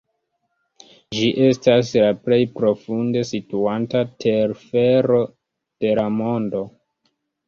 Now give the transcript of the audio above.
Ĝi estas la plej profunde situanta telfero de la mondo.